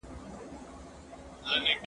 زه مخکي کتابتون ته تللي وو!!